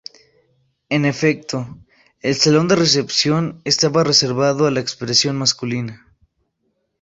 En efecto, el salón de recepción estaba reservado a la expresión masculina.